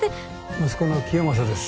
息子の清正です。